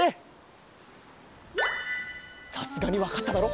さすがにわかっただろ？